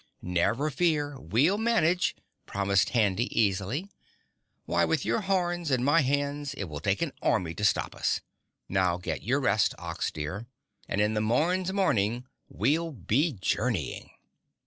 "Never fear, we'll manage," promised Handy easily. "Why with your horns and my hands it will take an army to stop us. Now get your rest, Ox dear, and in the morn's morning we'll be journeying."